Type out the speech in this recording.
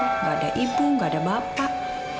gak ada ibu gak ada bapak